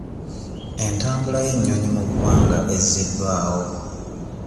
Entambula y'ennyonyi mu ggwanga ezziddwawo.